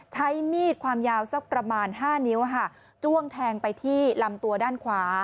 ใช้มีดความยาวสักประมาณ๕นิ้วจ้วงแทงไปที่ลำตัวด้านขวา